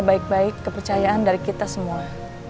baik baik kepercayaan dari kita semua